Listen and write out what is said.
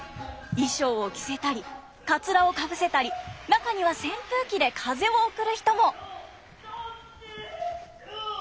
衣裳を着せたりかつらをかぶせたり中には扇風機で風を送る人も！